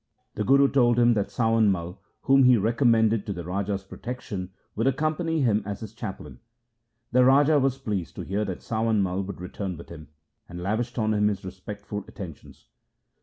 The Guru told him that Sawan Mai, whom he recommended to the Raja's protection, would accompany him as his chaplain. The Raja was pleased to hear that Sawan Mai would return with him, and lavished on him his respectful attentions.